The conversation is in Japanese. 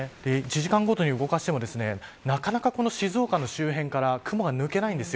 １時間ごとに動かしてもなかなか静岡の周辺から雲が抜けないんです。